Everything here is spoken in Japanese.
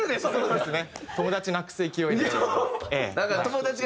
そうですね。